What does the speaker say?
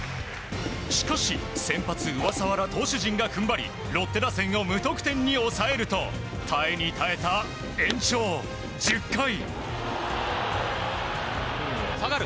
しかし先発、上沢ら投手陣が踏ん張りロッテ打線を無得点に抑えると耐えに耐えた、延長１０回。